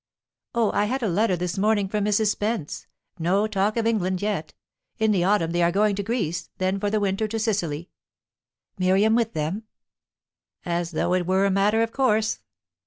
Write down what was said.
"Oh, I had a letter this morning from Mrs. Spence. No talk of England yet. In the autumn they are going to Greece, then for the winter to Sicily." "Miriam with them?" "As though it were a matter of course."